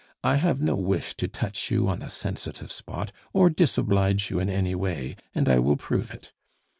I have no wish to touch you on a sensitive spot, or disoblige you in any way, and I will prove it.